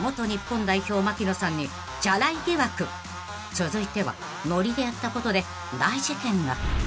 ［続いてはノリでやったことで大事件が］